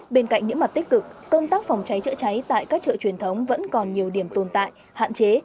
bên cạnh những mặt tích cực công tác phòng cháy chữa cháy tại các chợ truyền thống vẫn còn nhiều điểm tồn tại hạn chế